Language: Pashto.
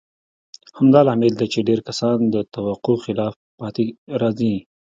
همدا لامل دی چې ډېر کسان د توقع خلاف پاتې راځي.